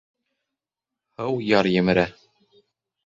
Һыу яр емерә.